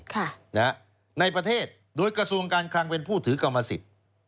ค่ะนะฮะในประเทศโดยกระทรวงการคลังเป็นผู้ถือกรรมสิทธิ์